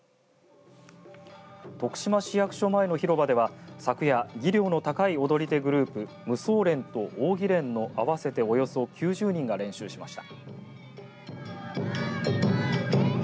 徳島市役所前の広場では昨夜、技量の高い踊り手グループ無双連と扇連の合わせておよそ９０人が練習しました。